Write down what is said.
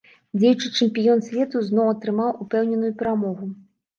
Дзеючы чэмпіён свету зноў атрымаў упэўненую перамогу.